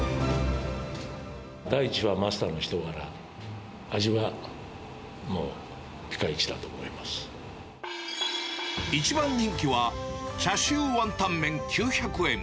第一はマスターの人柄、一番人気は、チャシューワンタンメン９００円。